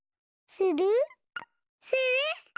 する？